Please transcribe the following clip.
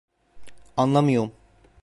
Anlamıyorum.